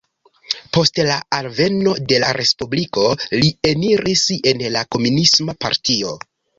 Post la alveno de la Respubliko li eniris en la Komunisma Partio.